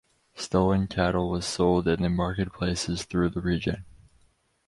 Stolen cattle was sold in marketplaces through the region.